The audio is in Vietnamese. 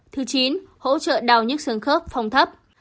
thứ chín hỗ trợ đào nhức xương khớp phòng thấp